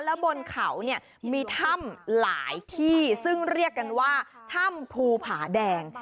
แล้วบนเขาเนี่ยมีถ้ำหลายที่ซึ่งเรียกกันว่าถ้ำภูผาแดง